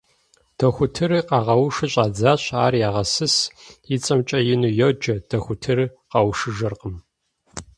Дохутырыр къагъэушу щӀадзащ, ар ягъэсыс, и цӀэмкӀэ ину йоджэ, дохутырыр къэушыжыркъым.